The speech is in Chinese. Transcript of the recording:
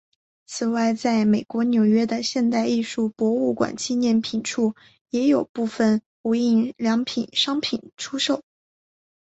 此外在美国纽约的现代艺术博物馆纪念商品处也有部份无印良品商品出售。